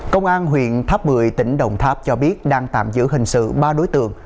công an huyện tháp bười tỉnh đồng tháp cho biết đang tạm giữ hình sự ba đối tượng